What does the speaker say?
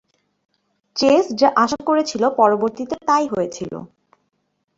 Chess যা আশা করেছিল পরবর্তীতে তাই হয়েছিল।